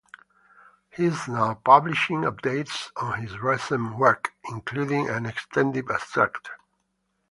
He is now publishing updates on his recent work, including an extended abstract.